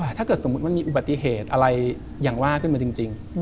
ถ้าเกิดสมมุติมันมีอุบัติเหตุอะไรอย่างว่าขึ้นมาจริง